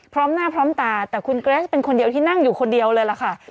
พร้อมหน้าพร้อมตาแต่คุณเกรสเป็นคนเดียวที่นั่งอยู่คนเดียวเลยล่ะค่ะ